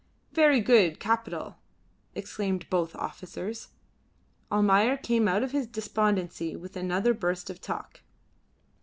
"Very good. Capital!" exclaimed both officers. Almayer came out of his despondency with another burst of talk.